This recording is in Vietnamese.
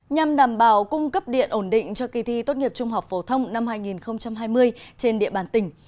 nhằm đảm bảo cung cấp điện ổn định cho kỳ thi tốt nghiệp trung học phổ thông năm hai nghìn hai mươi trên địa bàn tỉnh